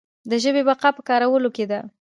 د ژبې بقا په کارولو کې ده.